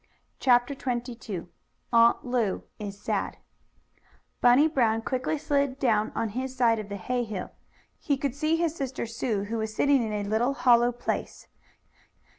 CHAPTER XXII AUNT LU IS SAD Bunny Brown quickly slid down on his side of the hay hill. He could see his sister Sue, who was sitting in a little hollow place.